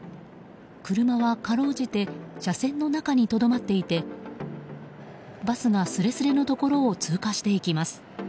車はかろうじて車線の中にとどまっていてバスがすれすれのところを通過していきます。